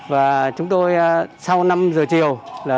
và chúng tôi sau năm giờ chiều